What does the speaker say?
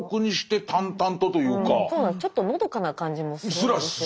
ちょっとのどかな感じもするんですよね。